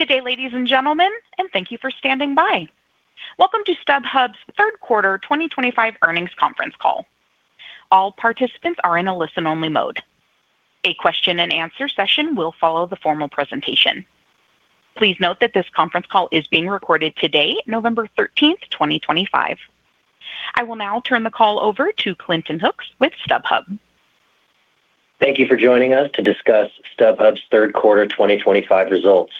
Good day, ladies and gentlemen, and thank you for standing by. Welcome to StubHub's third quarter 2025 earnings conference call. All participants are in a listen-only mode. A question-and-answer session will follow the formal presentation. Please note that this conference call is being recorded today, November 13th, 2025. I will now turn the call over to Clinton Hooks with StubHub. Thank you for joining us to discuss StubHub's third quarter 2025 results.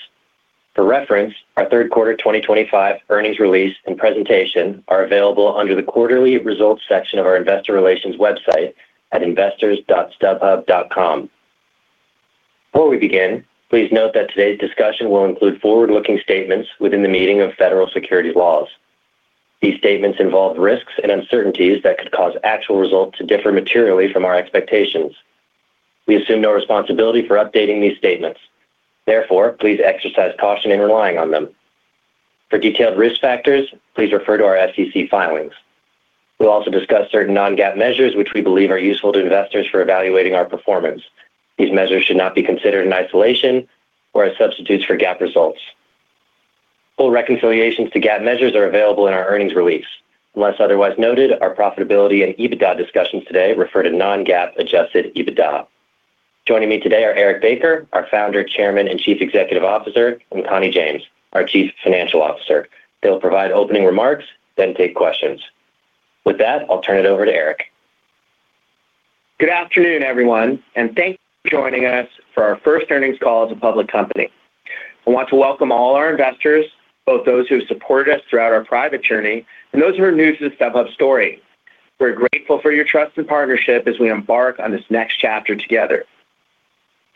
For reference, our third quarter 2025 earnings release and presentation are available under the quarterly results section of our investor relations website at investors.stubhub.com. Before we begin, please note that today's discussion will include forward-looking statements within the meaning of federal securities laws. These statements involve risks and uncertainties that could cause actual results to differ materially from our expectations. We assume no responsibility for updating these statements. Therefore, please exercise caution in relying on them. For detailed risk factors, please refer to our SEC filings. We'll also discuss certain non-GAAP measures, which we believe are useful to investors for evaluating our performance. These measures should not be considered in isolation or as substitutes for GAAP results. Full reconciliations to GAAP measures are available in our earnings release. Unless otherwise noted, our profitability and EBITDA discussions today refer to non-GAAP adjusted EBITDA. Joining me today are Eric Baker, our founder, chairman, and Chief Executive Officer, and Connie James, our Chief Financial Officer. They'll provide opening remarks, then take questions. With that, I'll turn it over to Eric. Good afternoon, everyone, and thank you for joining us for our first earnings call as a public company. I want to welcome all our investors, both those who have supported us throughout our private journey and those who are new to the StubHub story. We're grateful for your trust and partnership as we embark on this next chapter together.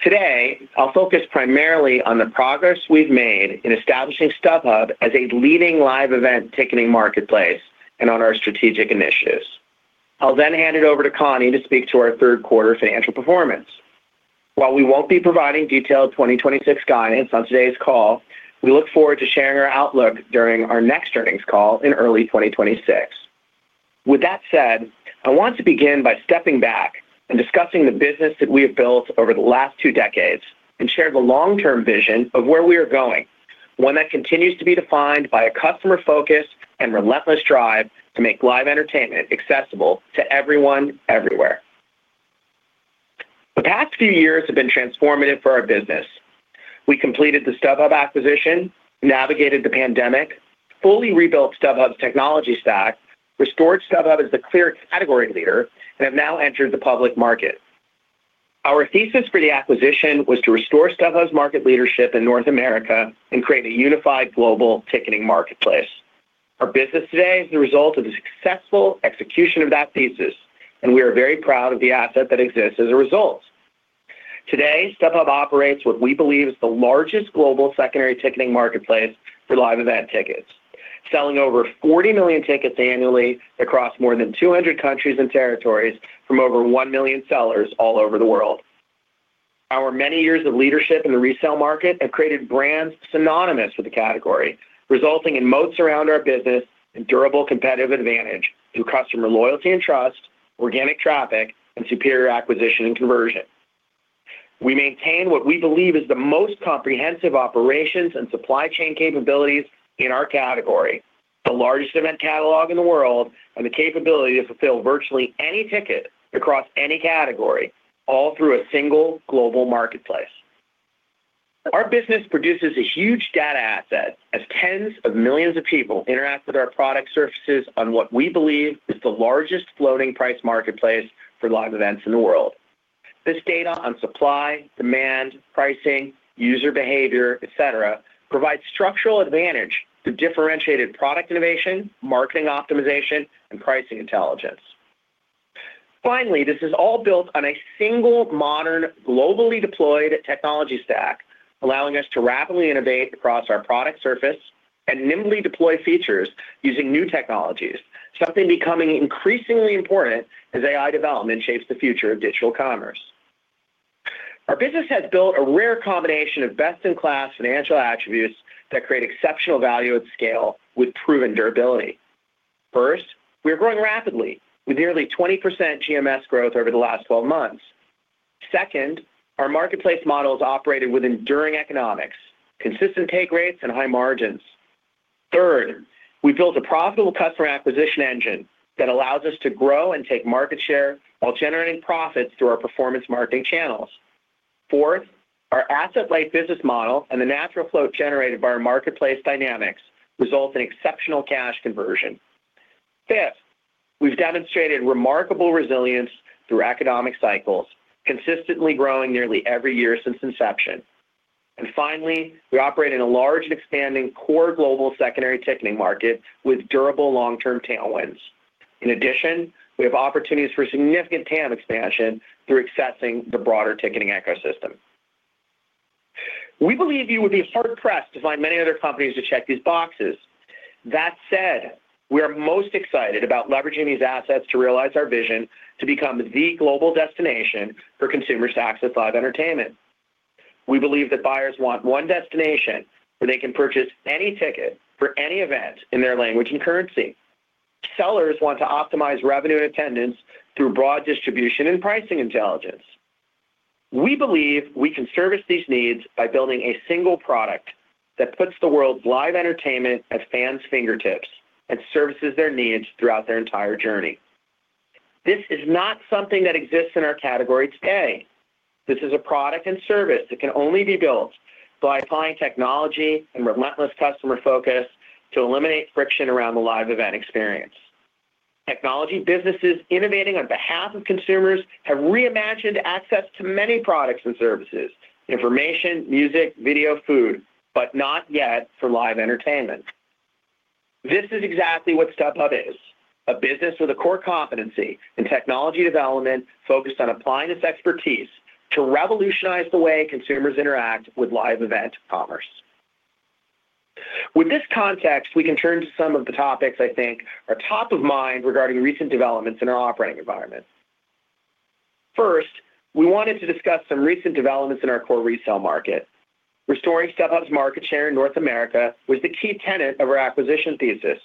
Today, I'll focus primarily on the progress we've made in establishing StubHub as a leading live event ticketing marketplace and on our strategic initiatives. I'll then hand it over to Connie to speak to our third quarter financial performance. While we won't be providing detailed 2026 guidance on today's call, we look forward to sharing our outlook during our next earnings call in early 2026. With that said, I want to begin by stepping back and discussing the business that we have built over the last two decades and share the long-term vision of where we are going, one that continues to be defined by a customer-focused and relentless drive to make live entertainment accessible to everyone, everywhere. The past few years have been transformative for our business. We completed the StubHub acquisition, navigated the pandemic, fully rebuilt StubHub's technology stack, restored StubHub as the clear category leader, and have now entered the public market. Our thesis for the acquisition was to restore StubHub's market leadership in North America and create a unified global ticketing marketplace. Our business today is the result of the successful execution of that thesis, and we are very proud of the asset that exists as a result. Today, StubHub operates what we believe is the largest global secondary ticketing marketplace for live event tickets, selling over 40 million tickets annually across more than 200 countries and territories from over 1 million sellers all over the world. Our many years of leadership in the resale market have created brands synonymous with the category, resulting in moats around our business and durable competitive advantage through customer loyalty and trust, organic traffic, and superior acquisition and conversion. We maintain what we believe is the most comprehensive operations and supply chain capabilities in our category, the largest event catalog in the world, and the capability to fulfill virtually any ticket across any category, all through a single global marketplace. Our business produces a huge data asset as tens of millions of people interact with our product surfaces on what we believe is the largest floating price marketplace for live events in the world. This data on supply, demand, pricing, user behavior, etc., provides structural advantage to differentiated product innovation, marketing optimization, and pricing intelligence. Finally, this is all built on a single modern, globally deployed technology stack, allowing us to rapidly innovate across our product surface and nimbly deploy features using new technologies, something becoming increasingly important as AI development shapes the future of digital commerce. Our business has built a rare combination of best-in-class financial attributes that create exceptional value at scale with proven durability. First, we are growing rapidly with nearly 20% GMS growth over the last 12 months. Second, our marketplace models operate with enduring economics, consistent take rates, and high margins. Third, we built a profitable customer acquisition engine that allows us to grow and take market share while generating profits through our performance marketing channels. Fourth, our asset-light business model and the natural float generated by our marketplace dynamics result in exceptional cash conversion. Fifth, we have demonstrated remarkable resilience through economic cycles, consistently growing nearly every year since inception. Finally, we operate in a large and expanding core global secondary ticketing market with durable long-term tailwinds. In addition, we have opportunities for significant TAM expansion through accessing the broader ticketing ecosystem. We believe you would be hard-pressed to find many other companies to check these boxes. That said, we are most excited about leveraging these assets to realize our vision to become the global destination for consumers to access live entertainment. We believe that buyers want one destination where they can purchase any ticket for any event in their language and currency. Sellers want to optimize revenue and attendance through broad distribution and pricing intelligence. We believe we can service these needs by building a single product that puts the world's live entertainment at fans' fingertips and services their needs throughout their entire journey. This is not something that exists in our category today. This is a product and service that can only be built by applying technology and relentless customer focus to eliminate friction around the live event experience. Technology businesses innovating on behalf of consumers have reimagined access to many products and services: information, music, video, food, but not yet for live entertainment. This is exactly what StubHub is: a business with a core competency in technology development focused on applying this expertise to revolutionize the way consumers interact with live event commerce. With this context, we can turn to some of the topics I think are top of mind regarding recent developments in our operating environment. First, we wanted to discuss some recent developments in our core resale market. Restoring StubHub's market share in North America was the key tenet of our acquisition thesis.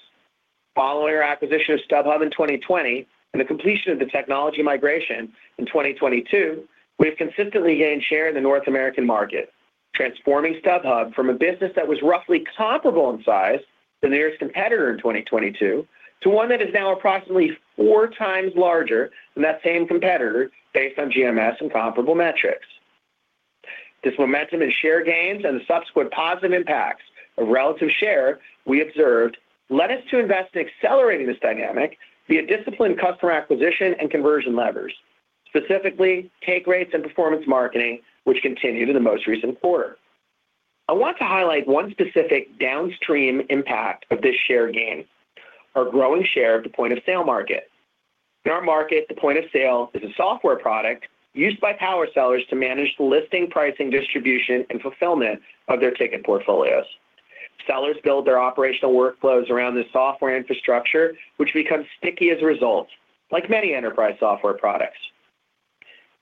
Following our acquisition of StubHub in 2020 and the completion of the technology migration in 2022, we have consistently gained share in the North American market, transforming StubHub from a business that was roughly comparable in size to the nearest competitor in 2022 to one that is now approximately four times larger than that same competitor based on GMS and comparable metrics. This momentum in share gains and the subsequent positive impacts of relative share we observed led us to invest in accelerating this dynamic via disciplined customer acquisition and conversion levers, specifically take rates and performance marketing, which continued in the most recent quarter. I want to highlight one specific downstream impact of this share gain: our growing share of the point of sale market. In our market, the point of sale is a software product used by power sellers to manage the listing, pricing, distribution, and fulfillment of their ticket portfolios. Sellers build their operational workflows around this software infrastructure, which becomes sticky as a result, like many enterprise software products.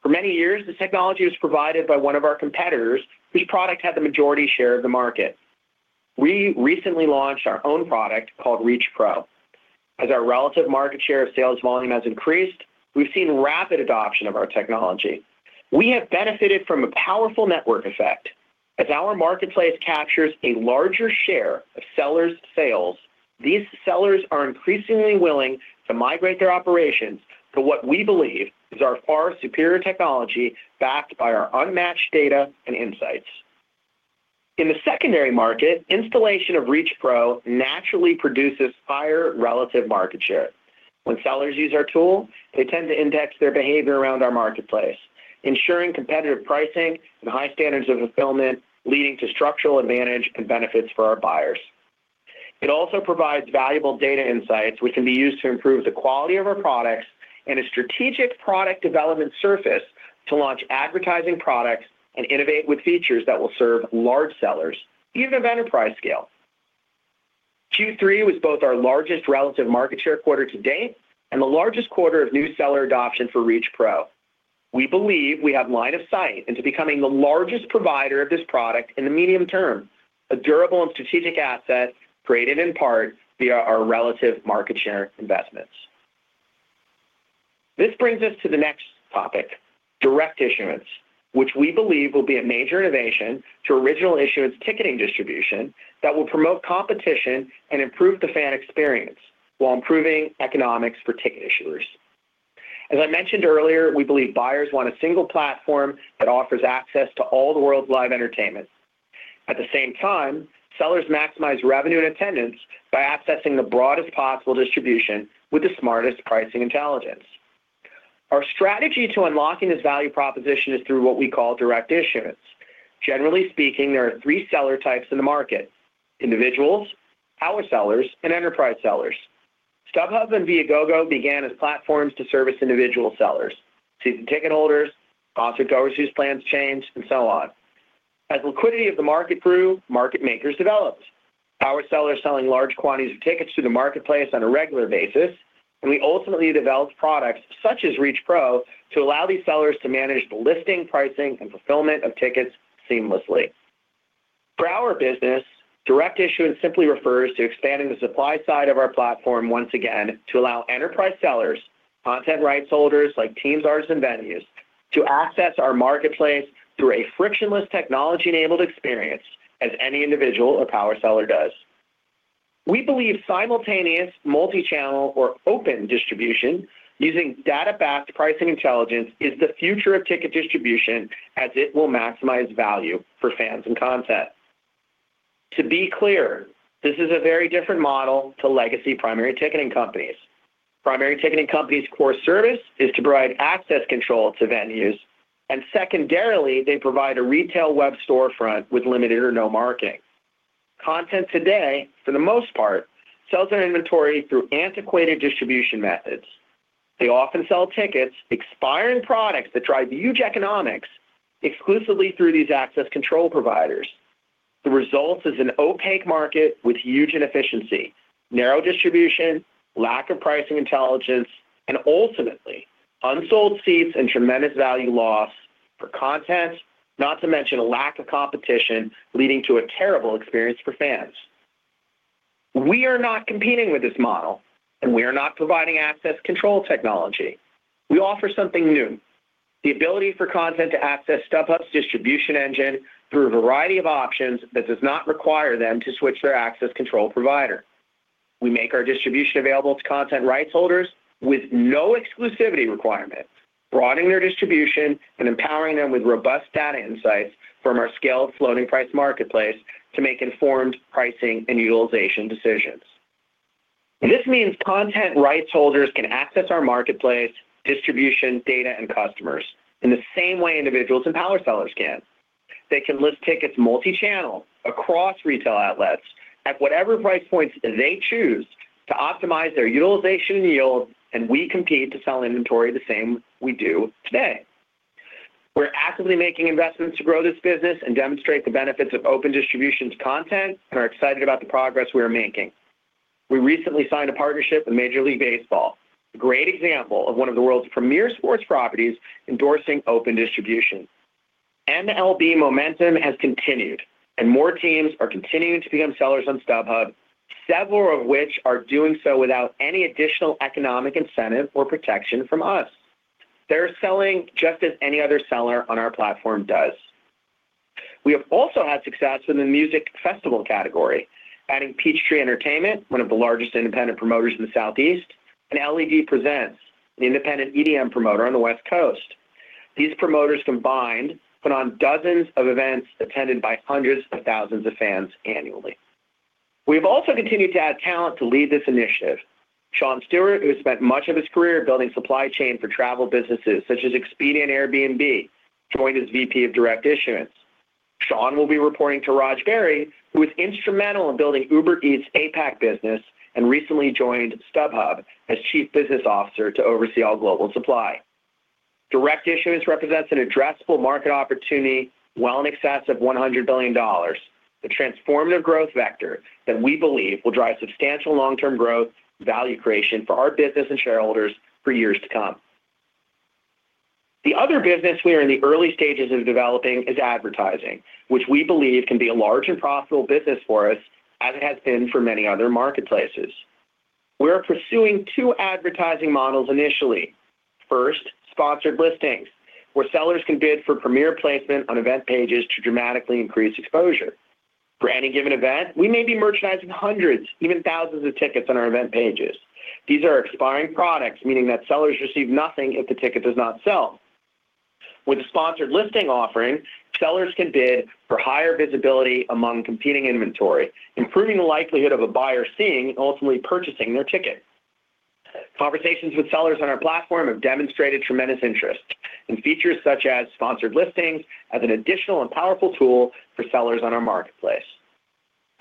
For many years, the technology was provided by one of our competitors whose product had the majority share of the market. We recently launched our own product called ReachPro. As our relative market share of sales volume has increased, we've seen rapid adoption of our technology. We have benefited from a powerful network effect. As our marketplace captures a larger share of sellers' sales, these sellers are increasingly willing to migrate their operations to what we believe is our far superior technology backed by our unmatched data and insights. In the secondary market, installation of ReachPro naturally produces higher relative market share. When sellers use our tool, they tend to index their behavior around our marketplace, ensuring competitive pricing and high standards of fulfillment, leading to structural advantage and benefits for our buyers. It also provides valuable data insights, which can be used to improve the quality of our products and a strategic product development surface to launch advertising products and innovate with features that will serve large sellers, even of enterprise scale. Q3 was both our largest relative market share quarter to date and the largest quarter of new seller adoption for ReachPro. We believe we have line of sight into becoming the largest provider of this product in the medium term, a durable and strategic asset created in part via our relative market share investments. This brings us to the next topic, direct issuance, which we believe will be a major innovation to original issuance ticketing distribution that will promote competition and improve the fan experience while improving economics for ticket issuers. As I mentioned earlier, we believe buyers want a single platform that offers access to all the world's live entertainment. At the same time, sellers maximize revenue and attendance by accessing the broadest possible distribution with the smartest pricing intelligence. Our strategy to unlocking this value proposition is through what we call direct issuance. Generally speaking, there are three seller types in the market: individuals, power sellers, and enterprise sellers. StubHub and Viagogo began as platforms to service individual sellers, seasoned ticket holders, concertgoers whose plans change, and so on. As liquidity of the market grew, market makers developed. Power sellers selling large quantities of tickets through the marketplace on a regular basis, and we ultimately developed products such as ReachPro to allow these sellers to manage the listing, pricing, and fulfillment of tickets seamlessly. For our business, direct issuance simply refers to expanding the supply side of our platform once again to allow enterprise sellers, content rights holders like teams, artists, and venues to access our marketplace through a frictionless technology-enabled experience, as any individual or power seller does. We believe simultaneous, multi-channel, or open distribution using data-backed pricing intelligence is the future of ticket distribution as it will maximize value for fans and content. To be clear, this is a very different model to legacy primary ticketing companies. Primary ticketing companies' core service is to provide access control to venues, and secondarily, they provide a retail web storefront with limited or no marketing. Content today, for the most part, sells their inventory through antiquated distribution methods. They often sell tickets, expiring products that drive huge economics exclusively through these access control providers. The result is an opaque market with huge inefficiency, narrow distribution, lack of pricing intelligence, and ultimately, unsold seats and tremendous value loss for content, not to mention a lack of competition leading to a terrible experience for fans. We are not competing with this model, and we are not providing access control technology. We offer something new: the ability for content to access StubHub's distribution engine through a variety of options that does not require them to switch their access control provider. We make our distribution available to content rights holders with no exclusivity requirement, broadening their distribution and empowering them with robust data insights from our scaled floating price marketplace to make informed pricing and utilization decisions. This means content rights holders can access our marketplace, distribution data, and customers in the same way individuals and power sellers can. They can list tickets multi-channel across retail outlets at whatever price points they choose to optimize their utilization and yield, and we compete to sell inventory the same we do today. We're actively making investments to grow this business and demonstrate the benefits of open distribution to content and are excited about the progress we are making. We recently signed a partnership with Major League Baseball, a great example of one of the world's premier sports properties endorsing open distribution. MLB momentum has continued, and more teams are continuing to become sellers on StubHub, several of which are doing so without any additional economic incentive or protection from us. They're selling just as any other seller on our platform does. We have also had success with the music festival category, adding Peachtree Entertainment, one of the largest independent promoters in the Southeast, and LED Presents, an independent EDM promoter on the West Coast. These promoters combined put on dozens of events attended by hundreds of thousands of fans annually. We have also continued to add talent to lead this initiative. Sean Stewart, who has spent much of his career building supply chain for travel businesses such as Expedia and Airbnb, joined as VP of direct issuance. Sean will be reporting to Raj Berry, who was instrumental in building Uber Eats APAC business and recently joined StubHub as Chief Business Officer to oversee all global supply. Direct issuance represents an addressable market opportunity well in excess of $100 billion, a transformative growth vector that we believe will drive substantial long-term growth and value creation for our business and shareholders for years to come. The other business we are in the early stages of developing is advertising, which we believe can be a large and profitable business for us, as it has been for many other marketplaces. We are pursuing two advertising models initially. First, sponsored listings, where sellers can bid for premier placement on event pages to dramatically increase exposure. For any given event, we may be merchandising hundreds, even thousands of tickets on our event pages. These are expiring products, meaning that sellers receive nothing if the ticket does not sell. With a sponsored listing offering, sellers can bid for higher visibility among competing inventory, improving the likelihood of a buyer seeing and ultimately purchasing their ticket. Conversations with sellers on our platform have demonstrated tremendous interest in features such as sponsored listings as an additional and powerful tool for sellers on our marketplace.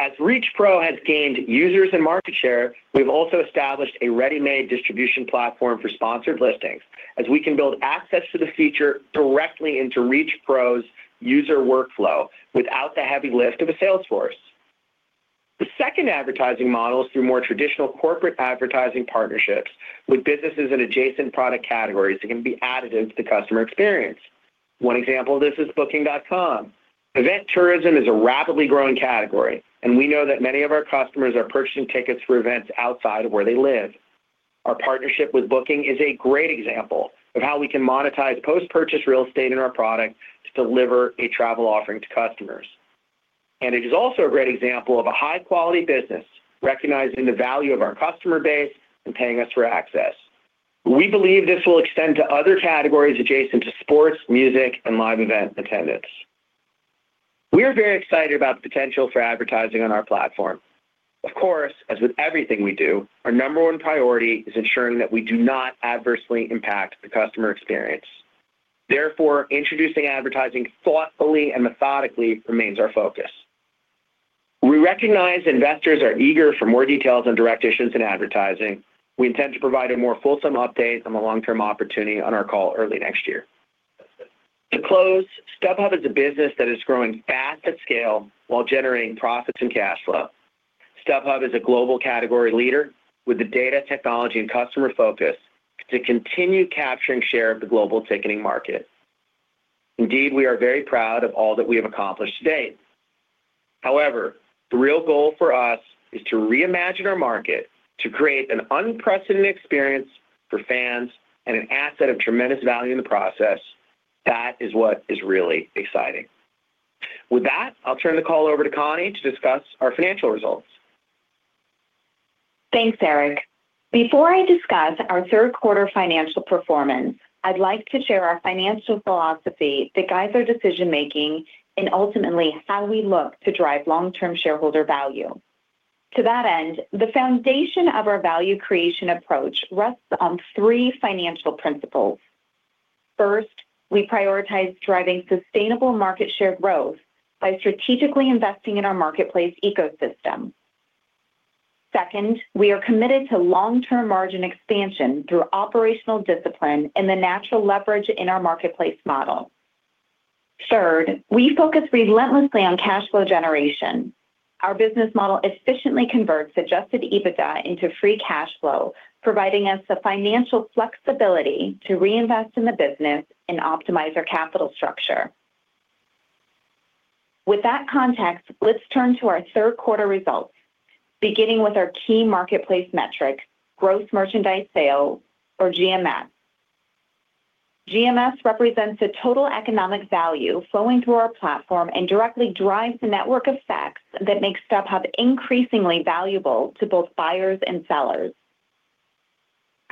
As ReachPro has gained users and market share, we have also established a ready-made distribution platform for sponsored listings, as we can build access to the feature directly into ReachPro's user workflow without the heavy lift of a sales force. The second advertising model is through more traditional corporate advertising partnerships with businesses and adjacent product categories that can be added into the customer experience. One example of this is Booking.com. Event tourism is a rapidly growing category, and we know that many of our customers are purchasing tickets for events outside of where they live. Our partnership with Booking.com is a great example of how we can monetize post-purchase real estate in our product to deliver a travel offering to customers. It is also a great example of a high-quality business recognizing the value of our customer base and paying us for access. We believe this will extend to other categories adjacent to sports, music, and live event attendance. We are very excited about the potential for advertising on our platform. Of course, as with everything we do, our number one priority is ensuring that we do not adversely impact the customer experience. Therefore, introducing advertising thoughtfully and methodically remains our focus. We recognize investors are eager for more details on direct issuance and advertising. We intend to provide a more fulsome update on the long-term opportunity on our call early next year. To close, StubHub is a business that is growing fast at scale while generating profits and cash flow. StubHub is a global category leader with the data, technology, and customer focus to continue capturing share of the global ticketing market. Indeed, we are very proud of all that we have accomplished to date. However, the real goal for us is to reimagine our market to create an unprecedented experience for fans and an asset of tremendous value in the process. That is what is really exciting. With that, I'll turn the call over to Connie to discuss our financial results. Thanks, Eric. Before I discuss our third-quarter financial performance, I'd like to share our financial philosophy that guides our decision-making and ultimately how we look to drive long-term shareholder value. To that end, the foundation of our value creation approach rests on three financial principles. First, we prioritize driving sustainable market share growth by strategically investing in our marketplace ecosystem. Second, we are committed to long-term margin expansion through operational discipline and the natural leverage in our marketplace model. Third, we focus relentlessly on cash flow generation. Our business model efficiently converts adjusted EBITDA into free cash flow, providing us the financial flexibility to reinvest in the business and optimize our capital structure. With that context, let's turn to our third-quarter results, beginning with our key marketplace metric, gross merchandise sales, or GMS. GMS represents the total economic value flowing through our platform and directly drives the network effects that make StubHub increasingly valuable to both buyers and sellers.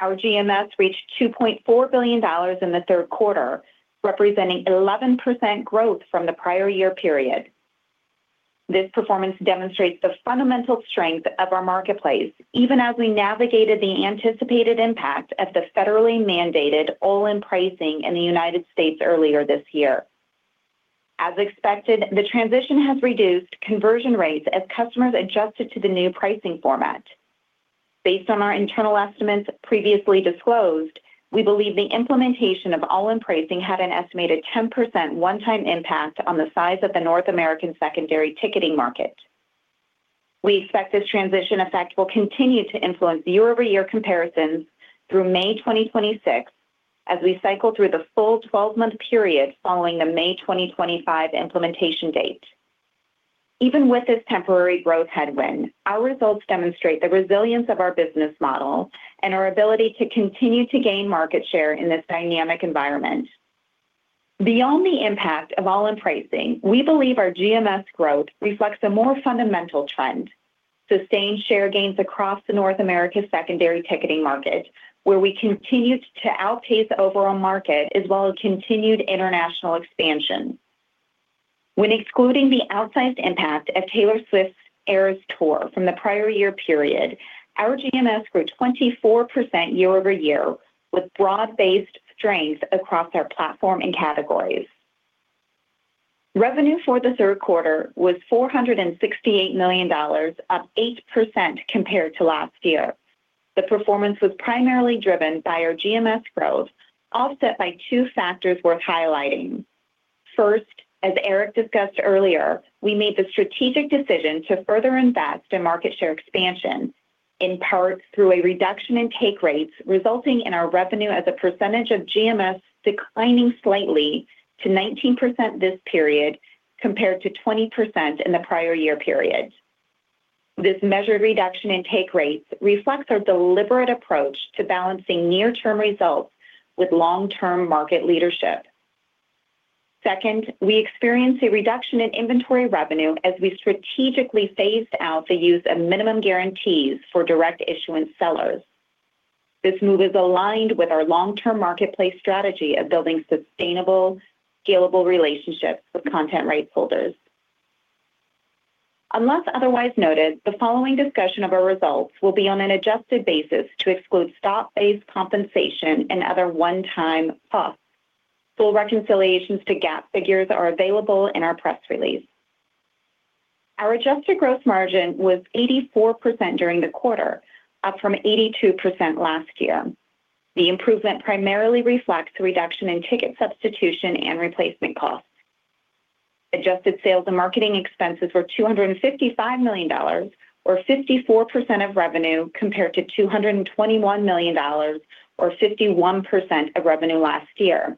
Our GMS reached $2.4 billion in the third quarter, representing 11% growth from the prior year period. This performance demonstrates the fundamental strength of our marketplace, even as we navigated the anticipated impact of the federally mandated all-in pricing in the U.S. earlier this year. As expected, the transition has reduced conversion rates as customers adjusted to the new pricing format. Based on our internal estimates previously disclosed, we believe the implementation of all-in pricing had an estimated 10% one-time impact on the size of the North American secondary ticketing market. We expect this transition effect will continue to influence year-over-year comparisons through May 2026, as we cycle through the full 12-month period following the May 2025 implementation date. Even with this temporary growth headwind, our results demonstrate the resilience of our business model and our ability to continue to gain market share in this dynamic environment. Beyond the impact of all-in pricing, we believe our GMS growth reflects a more fundamental trend: sustained share gains across the North America secondary ticketing market, where we continue to outpace the overall market as well as continued international expansion. When excluding the outsized impact of Taylor Swift's Eras Tour from the prior year period, our GMS grew 24% year-over-year with broad-based strength across our platform and categories. Revenue for the third quarter was $468 million, up 8% compared to last year. The performance was primarily driven by our GMS growth, offset by two factors worth highlighting. First, as Eric discussed earlier, we made the strategic decision to further invest in market share expansion, in part through a reduction in take rates, resulting in our revenue as a percentage of GMS declining slightly to 19% this period compared to 20% in the prior year period. This measured reduction in take rates reflects our deliberate approach to balancing near-term results with long-term market leadership. Second, we experienced a reduction in inventory revenue as we strategically phased out the use of minimum guarantees for direct issuance sellers. This move is aligned with our long-term marketplace strategy of building sustainable, scalable relationships with content rights holders. Unless otherwise noted, the following discussion of our results will be on an adjusted basis to exclude stock-based compensation and other one-time costs. Full reconciliations to GAAP figures are available in our press release. Our adjusted gross margin was 84% during the quarter, up from 82% last year. The improvement primarily reflects the reduction in ticket substitution and replacement costs. Adjusted sales and marketing expenses were $255 million, or 54% of revenue, compared to $221 million, or 51% of revenue last year.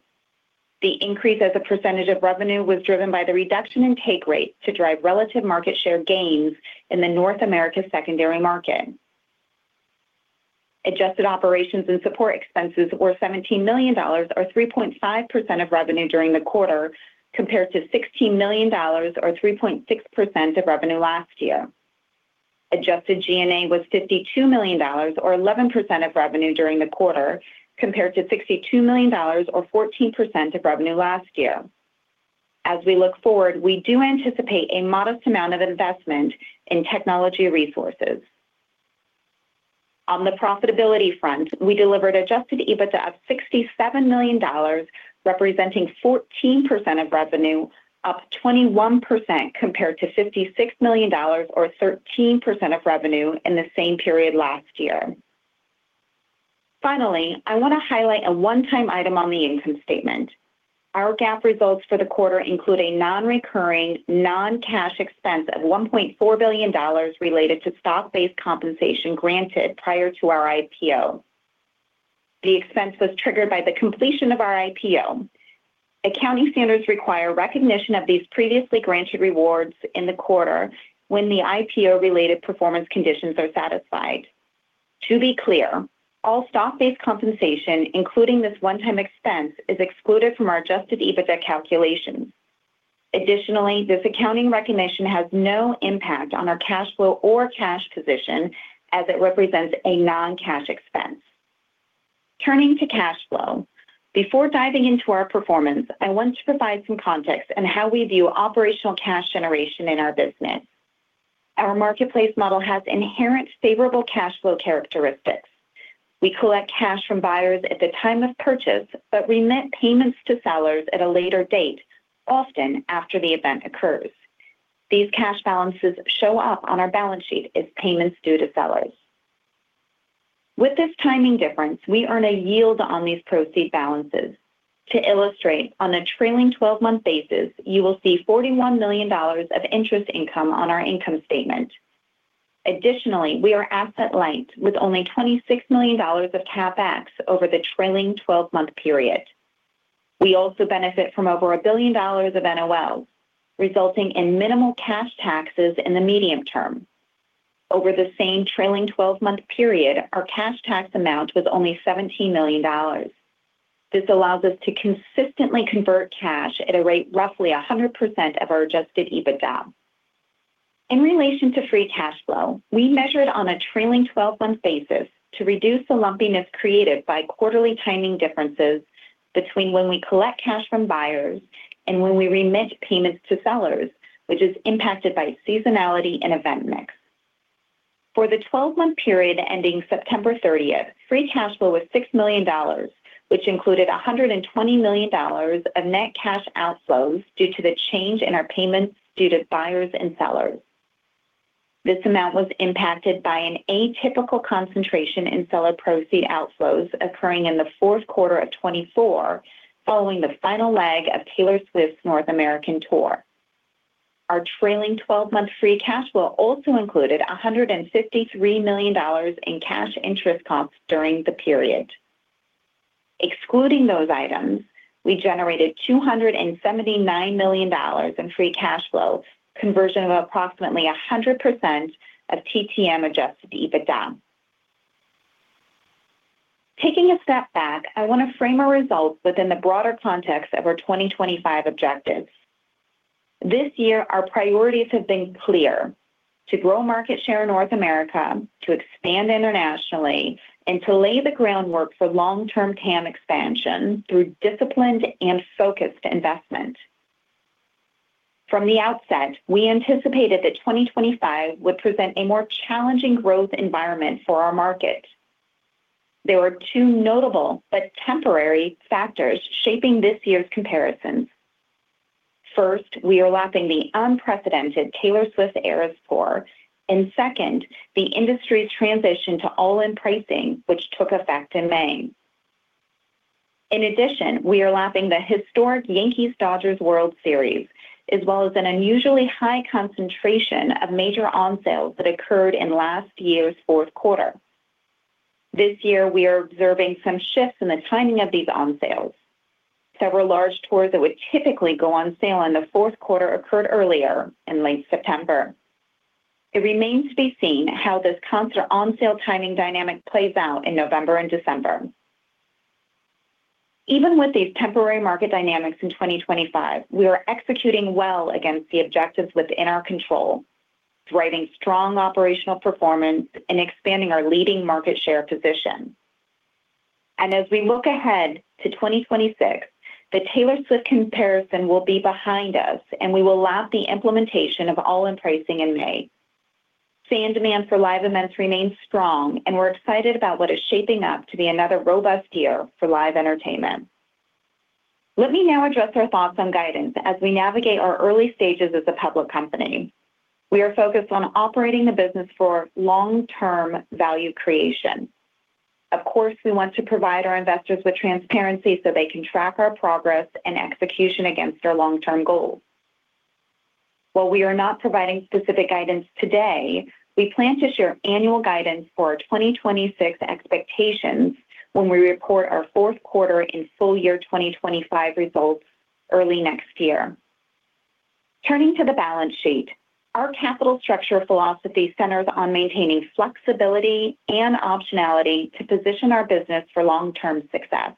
The increase as a percentage of revenue was driven by the reduction in take rates to drive relative market share gains in the North America secondary market. Adjusted operations and support expenses were $17 million, or 3.5% of revenue during the quarter, compared to $16 million, or 3.6% of revenue last year. Adjusted G&A was $52 million, or 11% of revenue during the quarter, compared to $62 million, or 14% of revenue last year. As we look forward, we do anticipate a modest amount of investment in technology resources. On the profitability front, we delivered adjusted EBITDA of $67 million, representing 14% of revenue, up 21% compared to $56 million, or 13% of revenue in the same period last year. Finally, I want to highlight a one-time item on the income statement. Our GAAP results for the quarter include a non-recurring, non-cash expense of $1.4 billion related to stock-based compensation granted prior to our IPO. The expense was triggered by the completion of our IPO. Accounting standards require recognition of these previously granted awards in the quarter when the IPO-related performance conditions are satisfied. To be clear, all stock-based compensation, including this one-time expense, is excluded from our adjusted EBITDA calculations. Additionally, this accounting recognition has no impact on our cash flow or cash position, as it represents a non-cash expense. Turning to cash flow, before diving into our performance, I want to provide some context on how we view operational cash generation in our business. Our marketplace model has inherent favorable cash flow characteristics. We collect cash from buyers at the time of purchase, but remit payments to sellers at a later date, often after the event occurs. These cash balances show up on our balance sheet as payments due to sellers. With this timing difference, we earn a yield on these proceed balances. To illustrate, on a trailing 12-month basis, you will see $41 million of interest income on our income statement. Additionally, we are asset-light with only $26 million of CapEx over the trailing 12-month period. We also benefit from over a billion dollars of NOLs, resulting in minimal cash taxes in the medium term. Over the same trailing 12-month period, our cash tax amount was only $17 million. This allows us to consistently convert cash at a rate roughly 100% of our adjusted EBITDA. In relation to free cash flow, we measured on a trailing 12-month basis to reduce the lumpiness created by quarterly timing differences between when we collect cash from buyers and when we remit payments to sellers, which is impacted by seasonality and event mix. For the 12-month period ending September 30th, free cash flow was $6 million, which included $120 million of net cash outflows due to the change in our payments due to buyers and sellers. This amount was impacted by an atypical concentration in seller proceed outflows occurring in the fourth quarter of 2024, following the final leg of Taylor Swift's North American Tour. Our trailing 12-month free cash flow also included $153 million in cash interest costs during the period. Excluding those items, we generated $279 million in free cash flow, conversion of approximately 100% of TTM adjusted EBITDA. Taking a step back, I want to frame our results within the broader context of our 2025 objectives. This year, our priorities have been clear: to grow market share in North America, to expand internationally, and to lay the groundwork for long-term TAM expansion through disciplined and focused investment. From the outset, we anticipated that 2025 would present a more challenging growth environment for our market. There are two notable but temporary factors shaping this year's comparisons. First, we are lapping the unprecedented Taylor Swift Eras Tour, and second, the industry's transition to all-in pricing, which took effect in May. In addition, we are lapping the historic Yankees-Dodgers World Series, as well as an unusually high concentration of major onsales that occurred in last year's fourth quarter. This year, we are observing some shifts in the timing of these onsales. Several large tours that would typically go on sale in the fourth quarter occurred earlier in late September. It remains to be seen how this concert onsale timing dynamic plays out in November and December. Even with these temporary market dynamics in 2025, we are executing well against the objectives within our control, driving strong operational performance and expanding our leading market share position. As we look ahead to 2026, the Taylor Swift comparison will be behind us, and we will lap the implementation of all-in pricing in May. Fan demand for live events remains strong, and we're excited about what is shaping up to be another robust year for live entertainment. Let me now address our thoughts on guidance as we navigate our early stages as a public company. We are focused on operating the business for long-term value creation. Of course, we want to provide our investors with transparency so they can track our progress and execution against our long-term goals. While we are not providing specific guidance today, we plan to share annual guidance for our 2026 expectations when we report our fourth quarter and full year 2025 results early next year. Turning to the balance sheet, our capital structure philosophy centers on maintaining flexibility and optionality to position our business for long-term success.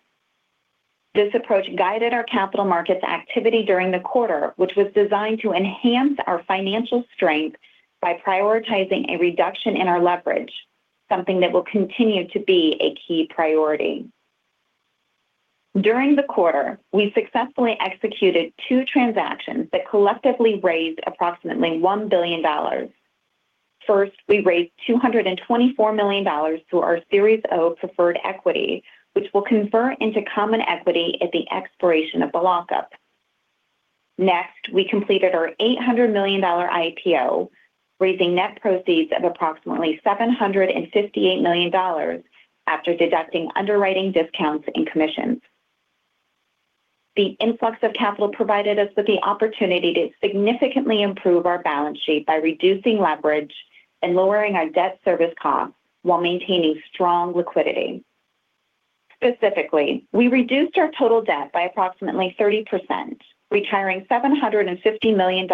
This approach guided our capital markets activity during the quarter, which was designed to enhance our financial strength by prioritizing a reduction in our leverage, something that will continue to be a key priority. During the quarter, we successfully executed two transactions that collectively raised approximately $1 billion. First, we raised $224 million through our Series O preferred equity, which will convert into common equity at the expiration of the lockup. Next, we completed our $800 million IPO, raising net proceeds of approximately $758 million after deducting underwriting discounts and commissions. The influx of capital provided us with the opportunity to significantly improve our balance sheet by reducing leverage and lowering our debt service costs while maintaining strong liquidity. Specifically, we reduced our total debt by approximately 30%, retiring $750 million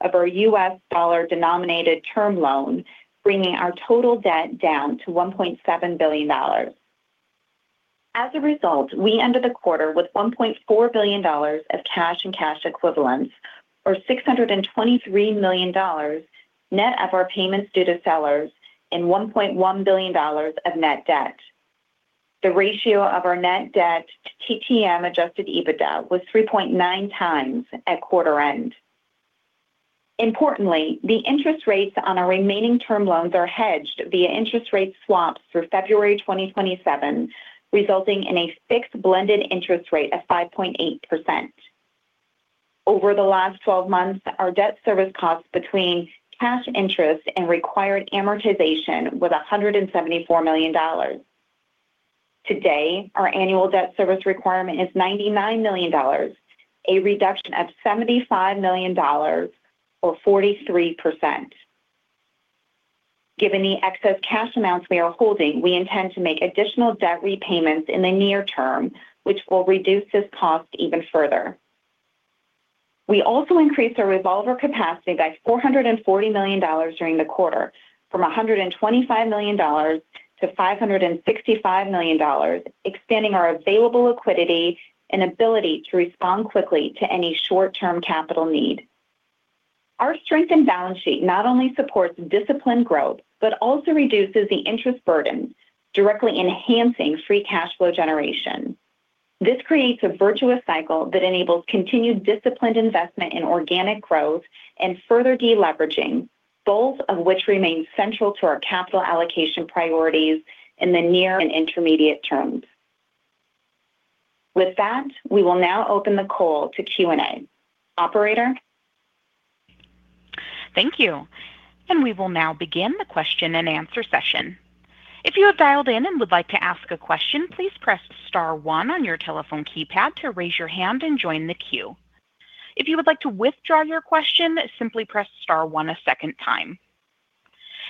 of our U.S. dollar-denominated term loan, bringing our total debt down to $1.7 billion. As a result, we ended the quarter with $1.4 billion of cash and cash equivalents, or $623 million, net of our payments due to sellers, and $1.1 billion of net debt. The ratio of our net debt to TTM adjusted EBITDA was 3.9 times at quarter end. Importantly, the interest rates on our remaining term loans are hedged via interest rate swaps through February 2027, resulting in a fixed blended interest rate of 5.8%. Over the last 12 months, our debt service costs between cash interest and required amortization were $174 million. Today, our annual debt service requirement is $99 million, a reduction of $75 million, or 43%. Given the excess cash amounts we are holding, we intend to make additional debt repayments in the near term, which will reduce this cost even further. We also increased our revolver capacity by $440 million during the quarter, from $125 million to $565 million, expanding our available liquidity and ability to respond quickly to any short-term capital need. Our strengthened balance sheet not only supports disciplined growth, but also reduces the interest burden, directly enhancing free cash flow generation. This creates a virtuous cycle that enables continued disciplined investment in organic growth and further deleveraging, both of which remain central to our capital allocation priorities in the near and intermediate terms. With that, we will now open the call to Q&A. Operator? Thank you. We will now begin the question-and-answer session. If you have dialed in and would like to ask a question, please press star one on your telephone keypad to raise your hand and join the queue. If you would like to withdraw your question, simply press star one a second time.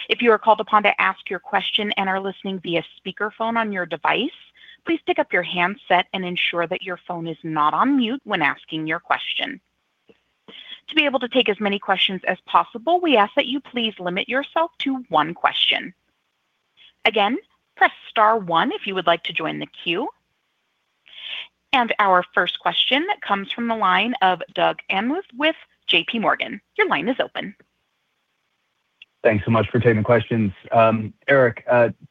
If you are called upon to ask your question and are listening via speakerphone on your device, please pick up your handset and ensure that your phone is not on mute when asking your question. To be able to take as many questions as possible, we ask that you please limit yourself to one question. Again, press star one if you would like to join the queue. Our first question comes from the line of Doug Anmuth with JPMorgan. Your line is open. Thanks so much for taking the questions. Eric,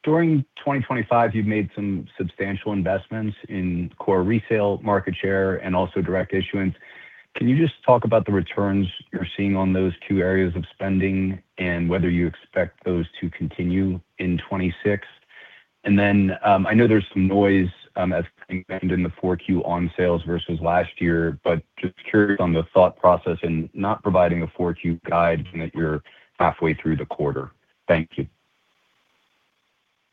during 2025, you've made some substantial investments in core resale market share and also direct issuance. Can you just talk about the returns you're seeing on those two areas of spending and whether you expect those to continue in 2026? And then I know there's some noise as coming in the fourth quarter on sales versus last year, but just curious on the thought process in not providing a fourth quarter guide that you're halfway through the quarter. Thank you.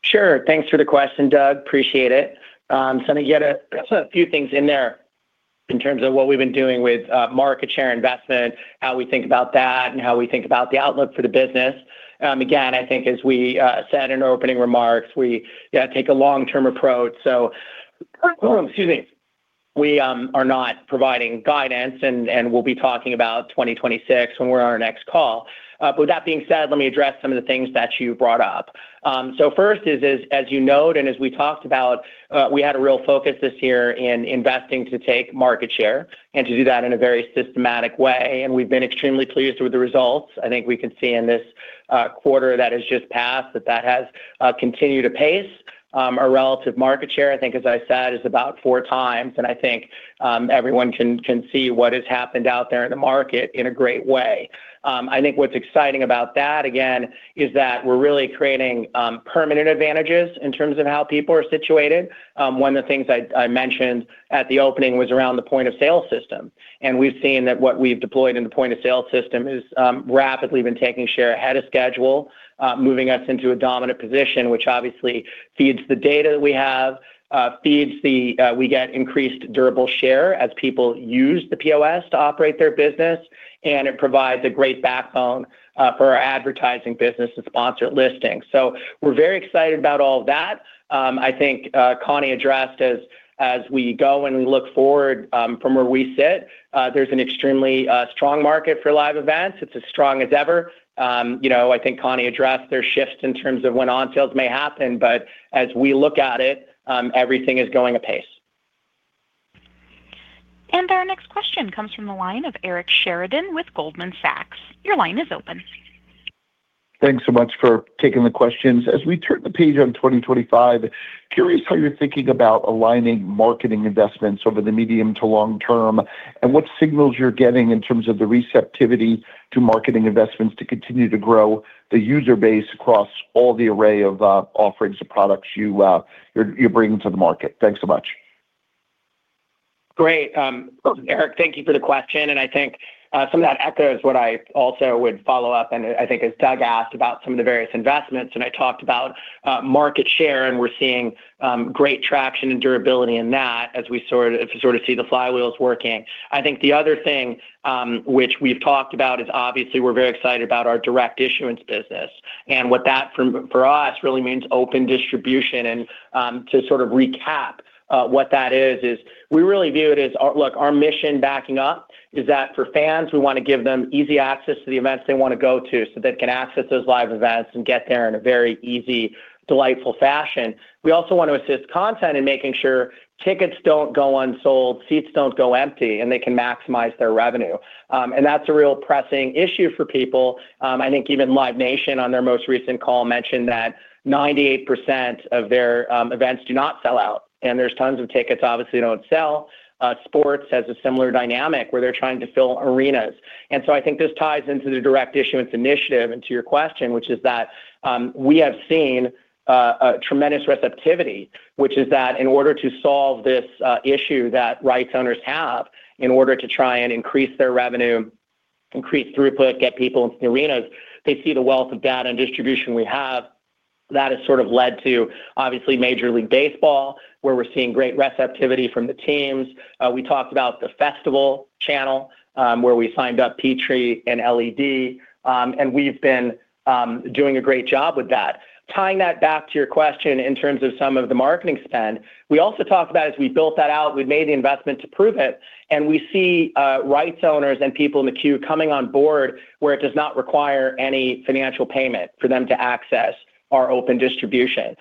Sure. Thanks for the question, Doug. Appreciate it. I think you had a few things in there in terms of what we've been doing with market share investment, how we think about that, and how we think about the outlook for the business. Again, I think as we said in our opening remarks, we take a long-term approach. So excuse me. We are not providing guidance, and we will be talking about 2026 when we are on our next call. With that being said, let me address some of the things that you brought up. First is, as you noted and as we talked about, we had a real focus this year in investing to take market share and to do that in a very systematic way. We have been extremely pleased with the results. I think we can see in this quarter that has just passed that that has continued to pace. Our relative market share, I think, as I said, is about four times. I think everyone can see what has happened out there in the market in a great way. I think what is exciting about that, again, is that we are really creating permanent advantages in terms of how people are situated. One of the things I mentioned at the opening was around the point of sale system. We have seen that what we have deployed in the point of sale system has rapidly been taking share ahead of schedule, moving us into a dominant position, which obviously feeds the data that we have, feeds that we get increased durable share as people use the POS to operate their business, and it provides a great backbone for our advertising business and sponsored listing. We are very excited about all of that. I think Connie addressed as we go and we look forward from where we sit, there is an extremely strong market for live events. It is as strong as ever. I think Connie addressed their shift in terms of when onsales may happen, but as we look at it, everything is going apace. Our next question comes from the line of Eric Sheridan with Goldman Sachs. Your line is open. Thanks so much for taking the questions. As we turn the page on 2025, curious how you're thinking about aligning marketing investments over the medium to long term and what signals you're getting in terms of the receptivity to marketing investments to continue to grow the user base across all the array of offerings of products you're bringing to the market. Thanks so much. Great. Eric, thank you for the question. I think some of that echoes what I also would follow up, and I think as Doug asked about some of the various investments, and I talked about market share, and we're seeing great traction and durability in that as we sort of see the flywheels working. I think the other thing which we've talked about is obviously we're very excited about our direct issuance business. What that for us really means is open distribution. To sort of recap what that is, we really view it as, look, our mission backing up is that for fans, we want to give them easy access to the events they want to go to so they can access those live events and get there in a very easy, delightful fashion. We also want to assist content in making sure tickets don't go unsold, seats don't go empty, and they can maximize their revenue. That's a real pressing issue for people. I think even Live Nation, on their most recent call, mentioned that 98% of their events do not sell out, and there's tons of tickets obviously that don't sell. Sports has a similar dynamic where they're trying to fill arenas. I think this ties into the direct issuance initiative and to your question, which is that we have seen a tremendous receptivity, which is that in order to solve this issue that rights owners have in order to try and increase their revenue, increase throughput, get people into the arenas, they see the wealth of data and distribution we have that has sort of led to obviously Major League Baseball, where we're seeing great receptivity from the teams. We talked about the festival channel where we signed up Peachtree and LED, and we've been doing a great job with that. Tying that back to your question in terms of some of the marketing spend, we also talked about as we built that out, we've made the investment to prove it, and we see rights owners and people in the queue coming on board where it does not require any financial payment for them to access our open distribution.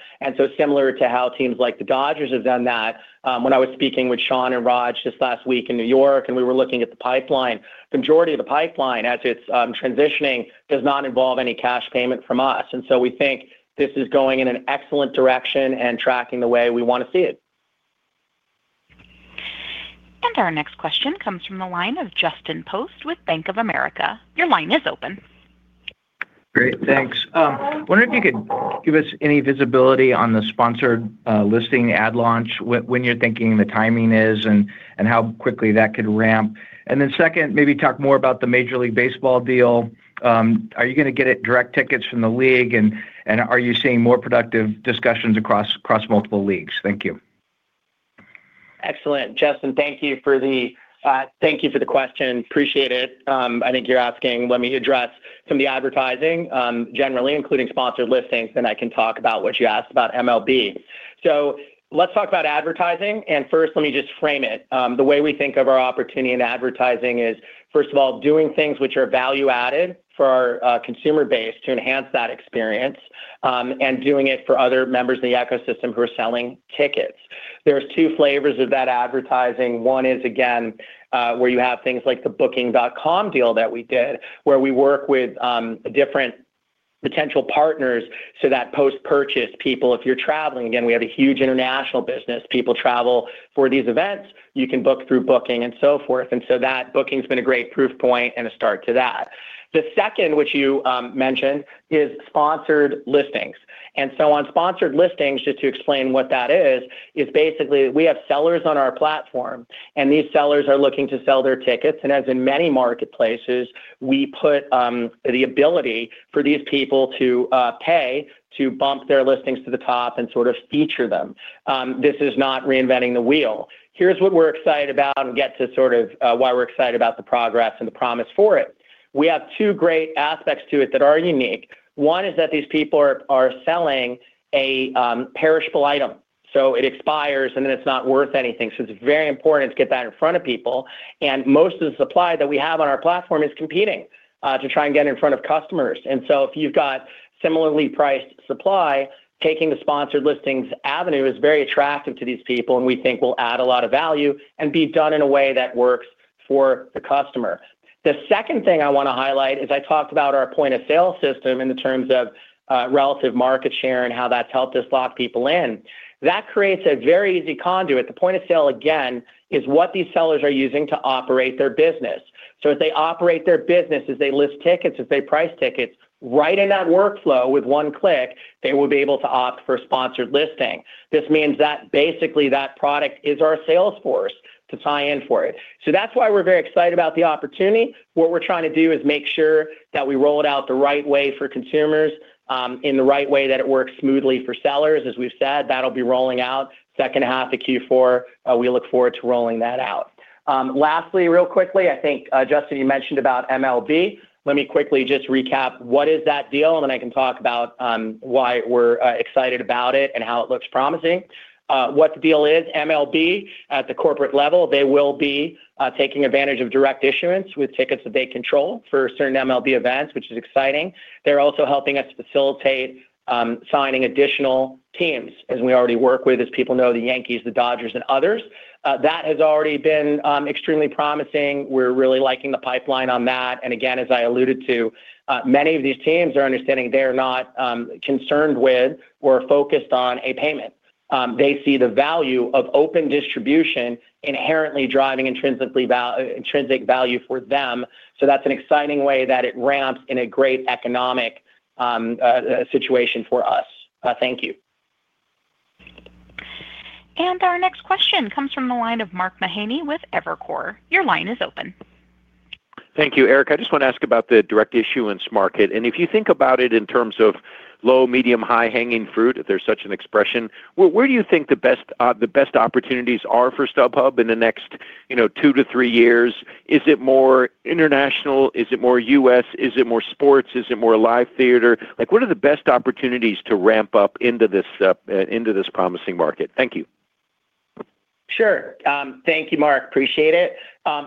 Similar to how teams like the Dodgers have done that, when I was speaking with Sean and Raj just last week in New York, and we were looking at the pipeline, the majority of the pipeline as it's transitioning does not involve any cash payment from us. We think this is going in an excellent direction and tracking the way we want to see it. Our next question comes from the line of Justin Post with Bank of America. Your line is open. Great. Thanks. I wonder if you could give us any visibility on the sponsored listing ad launch, when you're thinking the timing is, and how quickly that could ramp. Then second, maybe talk more about the Major League Baseball deal. Are you going to get direct tickets from the league, and are you seeing more productive discussions across multiple leagues? Thank you. Excellent. Justin, thank you for the question. Appreciate it. I think you're asking, let me address some of the advertising generally, including sponsored listings, then I can talk about what you asked about MLB. Let's talk about advertising. First, let me just frame it. The way we think of our opportunity in advertising is, first of all, doing things which are value-added for our consumer base to enhance that experience and doing it for other members of the ecosystem who are selling tickets. are two flavors of that advertising. One is, again, where you have things like the Booking.com deal that we did, where we work with different potential partners so that post-purchase people, if you are traveling, again, we have a huge international business. People travel for these events. You can book through Booking.com and so forth. Booking.com has been a great proof point and a start to that. The second, which you mentioned, is sponsored listings. On sponsored listings, just to explain what that is, basically we have sellers on our platform, and these sellers are looking to sell their tickets. As in many marketplaces, we put the ability for these people to pay to bump their listings to the top and sort of feature them. This is not reinventing the wheel. Here's what we're excited about and get to sort of why we're excited about the progress and the promise for it. We have two great aspects to it that are unique. One is that these people are selling a perishable item. It expires, and then it's not worth anything. It is very important to get that in front of people. Most of the supply that we have on our platform is competing to try and get in front of customers. If you've got similarly priced supply, taking the sponsored listings avenue is very attractive to these people, and we think will add a lot of value and be done in a way that works for the customer. The second thing I want to highlight is I talked about our point of sale system in the terms of relative market share and how that's helped us lock people in. That creates a very easy conduit. The point of sale, again, is what these sellers are using to operate their business. So as they operate their business, as they list tickets, as they price tickets, right in that workflow with one click, they will be able to opt for sponsored listing. This means that basically that product is our salesforce to tie in for it. That's why we're very excited about the opportunity. What we're trying to do is make sure that we roll it out the right way for consumers in the right way that it works smoothly for sellers. As we've said, that'll be rolling out second half of Q4. We look forward to rolling that out. Lastly, real quickly, I think, Justin, you mentioned about MLB. Let me quickly just recap what is that deal, and then I can talk about why we're excited about it and how it looks promising. What the deal is, MLB at the corporate level, they will be taking advantage of direct issuance with tickets that they control for certain MLB events, which is exciting. They're also helping us facilitate signing additional teams as we already work with, as people know, the Yankees, the Dodgers, and others. That has already been extremely promising. We're really liking the pipeline on that. Again, as I alluded to, many of these teams are understanding they're not concerned with or focused on a payment. They see the value of open distribution inherently driving intrinsic value for them. That's an exciting way that it ramps in a great economic situation for us. Thank you. Our next question comes from the line of Mark Mahaney with Evercore. Your line is open. Thank you, Eric. I just want to ask about the direct issuance market. If you think about it in terms of low, medium, high hanging fruit, if there's such an expression, where do you think the best opportunities are for StubHub in the next two to three years? Is it more international? Is it more U.S.? Is it more sports? Is it more live theater? What are the best opportunities to ramp up into this promising market? Thank you. Sure. Thank you, Mark. Appreciate it.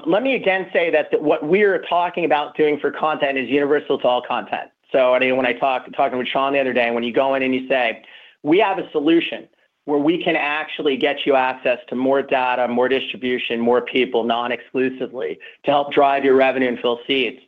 Let me again say that what we are talking about doing for content is universal to all content. When I talked to Sean the other day, when you go in and you say, "We have a solution where we can actually get you access to more data, more distribution, more people non-exclusively to help drive your revenue and fill seats,"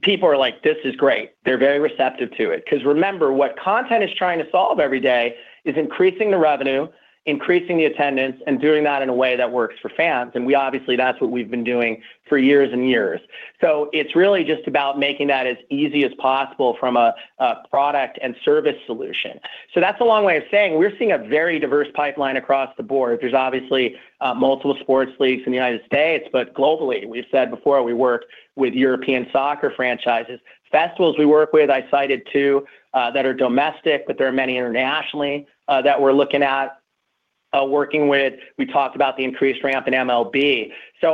people are like, "This is great." They're very receptive to it. Remember, what content is trying to solve every day is increasing the revenue, increasing the attendance, and doing that in a way that works for fans. Obviously, that's what we've been doing for years and years. It is really just about making that as easy as possible from a product and service solution. That is a long way of saying we're seeing a very diverse pipeline across the board. There's obviously multiple sports leagues in the U.S., but globally, we've said before, we work with European soccer franchises, festivals we work with, I cited two that are domestic, but there are many internationally that we're looking at working with. We talked about the increased ramp in MLB.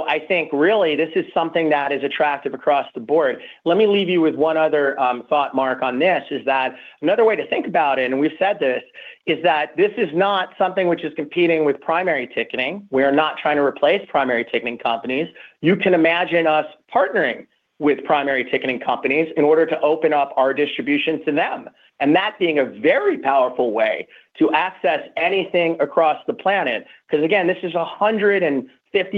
I think really this is something that is attractive across the board. Let me leave you with one other thought, Mark, on this is that another way to think about it, and we've said this, is that this is not something which is competing with primary ticketing. We are not trying to replace primary ticketing companies. You can imagine us partnering with primary ticketing companies in order to open up our distribution to them. That being a very powerful way to access anything across the planet. Because again, this is a $150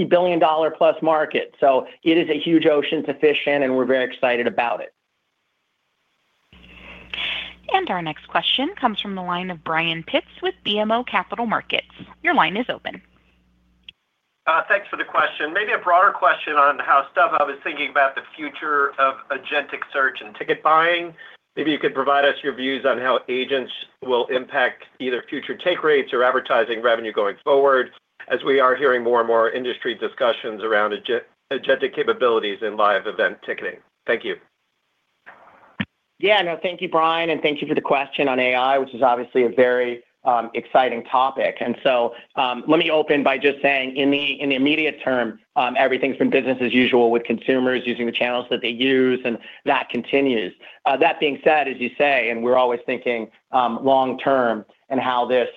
billion plus market. It is a huge ocean to fish in, and we're very excited about it. Our next question comes from the line of Brian Pitz with BMO Capital Markets. Your line is open. Thanks for the question. Maybe a broader question on how StubHub is thinking about the future of agentic search and ticket buying. Maybe you could provide us your views on how agents will impact either future take rates or advertising revenue going forward as we are hearing more and more industry discussions around agentic capabilities in live event ticketing. Thank you. Yeah. No, thank you, Brian. And thank you for the question on AI, which is obviously a very exciting topic. Let me open by just saying in the immediate term, everything's been business as usual with consumers using the channels that they use, and that continues. That being said, as you say, we're always thinking long term and how this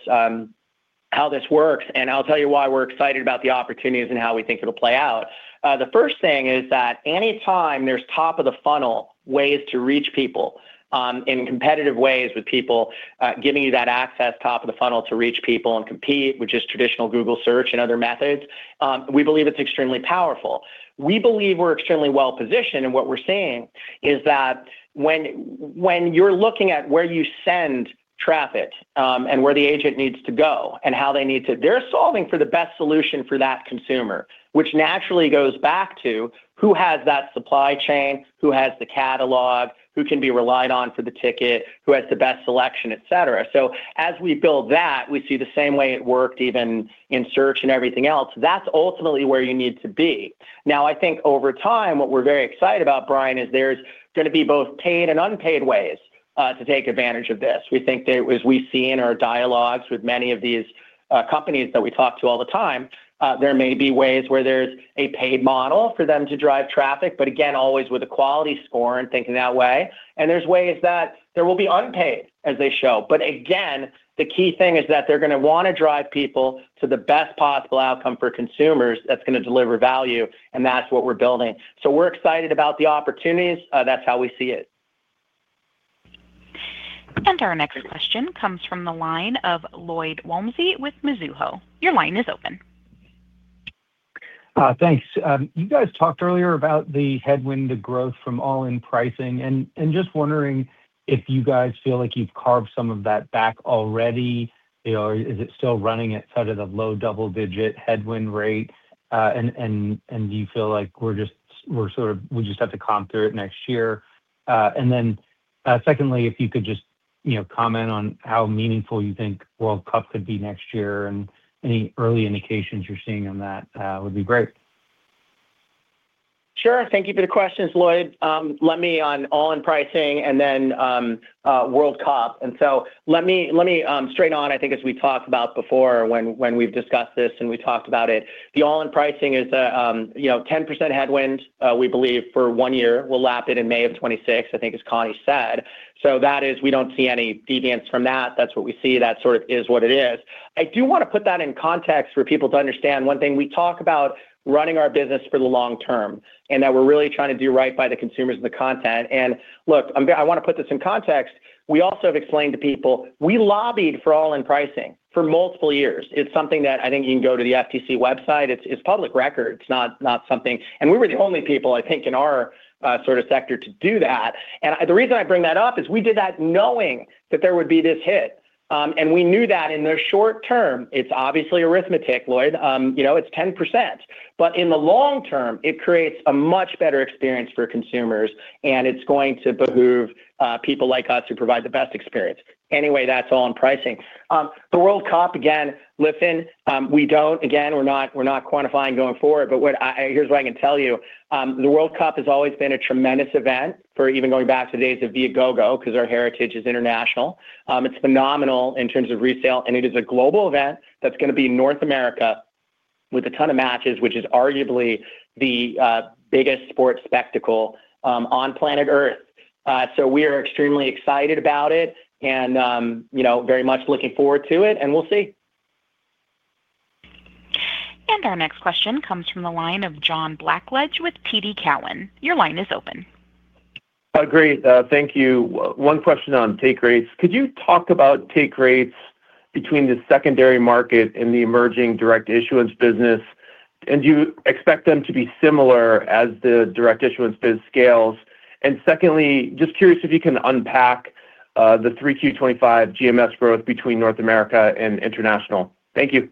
works. I'll tell you why we're excited about the opportunities and how we think it'll play out. The first thing is that anytime there's top of the funnel ways to reach people in competitive ways with people giving you that access top of the funnel to reach people and compete, which is traditional Google search and other methods, we believe it's extremely powerful. We believe we're extremely well positioned. What we're seeing is that when you're looking at where you send traffic and where the agent needs to go and how they need to, they're solving for the best solution for that consumer, which naturally goes back to who has that supply chain, who has the catalog, who can be relied on for the ticket, who has the best selection, etc. As we build that, we see the same way it worked even in search and everything else. That is ultimately where you need to be. I think over time, what we are very excited about, Brian, is there is going to be both paid and unpaid ways to take advantage of this. We think that as we see in our dialogues with many of these companies that we talk to all the time, there may be ways where there is a paid model for them to drive traffic, but again, always with a quality score and thinking that way. There are ways that there will be unpaid as they show. Again, the key thing is that they are going to want to drive people to the best possible outcome for consumers that is going to deliver value, and that is what we are building. We are excited about the opportunities. That is how we see it. Our next question comes from the line of Lloyd Walmsley with Mizuho. Your line is open. Thanks. You guys talked earlier about the headwind to growth from all-in pricing. Just wondering if you guys feel like you've carved some of that back already. Is it still running at sort of the low double-digit headwind rate? Do you feel like we just have to conquer it next year? Secondly, if you could just comment on how meaningful you think World Cup could be next year and any early indications you're seeing on that would be great. Sure. Thank you for the questions, Lloyd. Let me on all-in pricing and then World Cup. Let me go straight on. I think as we talked about before when we've discussed this and we talked about it, the all-in pricing is a 10% headwind, we believe, for one year. We'll lap it in May of 2026, I think, as Connie said. That is, we do not see any deviance from that. That is what we see. That sort of is what it is. I do want to put that in context for people to understand one thing. We talk about running our business for the long term and that we're really trying to do right by the consumers and the content. I want to put this in context. We also have explained to people we lobbied for all-in pricing for multiple years. It's something that I think you can go to the FTC website. It's public record. It's not something and we were the only people, I think, in our sort of sector to do that. The reason I bring that up is we did that knowing that there would be this hit. We knew that in the short term, it's obviously arithmetic, Lloyd. It's 10%. In the long term, it creates a much better experience for consumers, and it's going to behoove people like us who provide the best experience. Anyway, that's all-in pricing. The World Cup, again, listen, we don't again, we're not quantifying going forward, but here's what I can tell you. The World Cup has always been a tremendous event for even going back to the days of Viagogo because our heritage is international. It's phenomenal in terms of resale, and it is a global event that's going to be in North America with a ton of matches, which is arguably the biggest sports spectacle on planet Earth. We are extremely excited about it and very much looking forward to it, and we'll see. Our next question comes from the line of John Blackledge with TD Cowen. Your line is open. Agreed. Thank you. One question on take rates. Could you talk about take rates between the secondary market and the emerging direct issuance business? Do you expect them to be similar as the direct issuance scales? Secondly, just curious if you can unpack the 3Q 2025 GMS growth between North America and international. Thank you.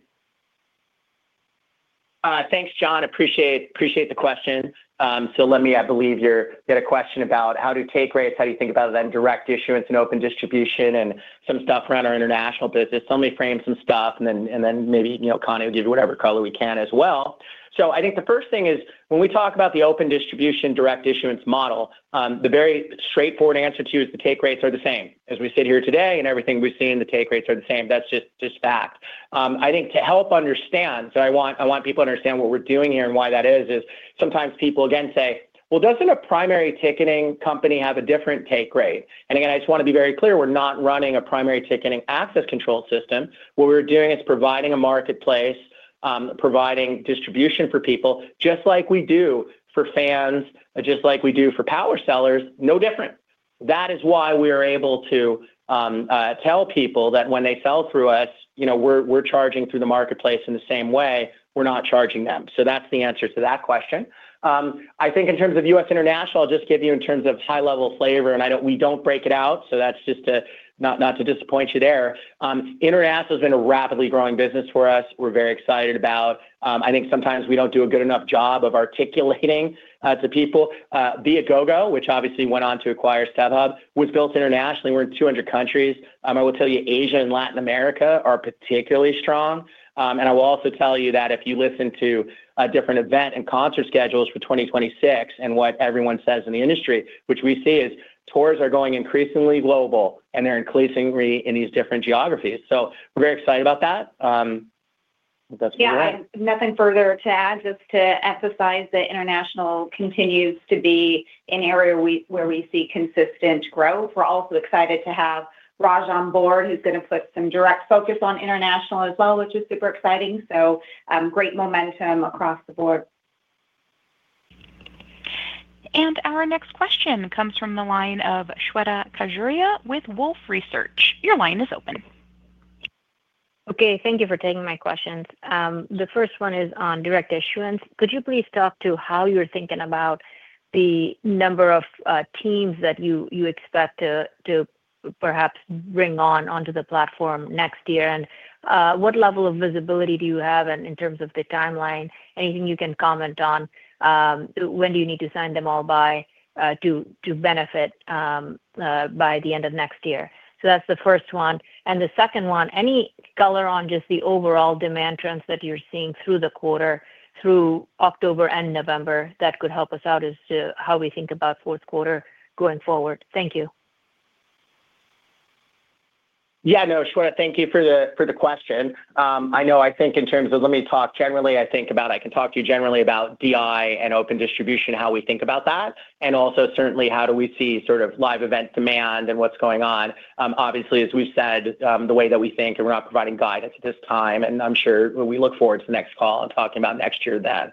Thanks, John. Appreciate the question. Let me, I believe, you had a question about how to take rates, how do you think about that in direct issuance and open distribution and some stuff around our international business. Let me frame some stuff, and then maybe Connie will give you whatever color we can as well. I think the first thing is when we talk about the open distribution direct issuance model, the very straightforward answer to you is the take rates are the same. As we sit here today and everything we've seen, the take rates are the same. That's just fact. I think to help understand, I want people to understand what we're doing here and why that is, is sometimes people again say, "Well, doesn't a primary ticketing company have a different take rate?" I just want to be very clear. We're not running a primary ticketing access control system. What we're doing is providing a marketplace, providing distribution for people just like we do for fans, just like we do for power sellers, no different. That is why we are able to tell people that when they sell through us, we're charging through the marketplace in the same way. We're not charging them. That's the answer to that question. I think in terms of U.S. international, I'll just give you in terms of high-level flavor, and we don't break it out. That's just not to disappoint you there. International has been a rapidly growing business for us. We're very excited about it. I think sometimes we don't do a good enough job of articulating to people. Viagogo, which obviously went on to acquire StubHub, was built internationally. We're in 200 countries. I will tell you Asia and Latin America are particularly strong. I will also tell you that if you listen to different event and concert schedules for 2026 and what everyone says in the industry, what we see is tours are going increasingly global, and they're increasingly in these different geographies. We are very excited about that. That's what we're at. Yeah. Nothing further to add, just to emphasize that international continues to be an area where we see consistent growth. We're also excited to have Raj on board, who's going to put some direct focus on international as well, which is super exciting. Great momentum across the board. Our next question comes from the line of Shweta Khajuria with Wolfe Research. Your line is open. Okay. Thank you for taking my questions. The first one is on direct issuance. Could you please talk to how you're thinking about the number of teams that you expect to perhaps bring onto the platform next year? And what level of visibility do you have in terms of the timeline? Anything you can comment on? When do you need to sign them all by to benefit by the end of next year? That's the first one. The second one, any color on just the overall demand trends that you're seeing through the quarter, through October and November that could help us out as to how we think about fourth quarter going forward? Thank you. Yeah. No, Shweta, thank you for the question. I know I think in terms of let me talk generally. I think about I can talk to you generally about DI and open distribution, how we think about that, and also certainly how do we see sort of live event demand and what's going on. Obviously, as we've said, the way that we think, and we're not providing guidance at this time, and I'm sure we look forward to the next call and talking about next year then.